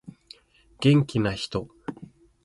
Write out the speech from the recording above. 元気な人